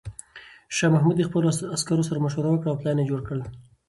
شاه محمود د خپلو عسکرو سره مشوره وکړه او پلان یې جوړ کړ.